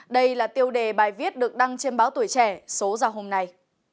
đây là tiêu đề bài viết được đăng trên báo tuổi trẻ số ra hôm nay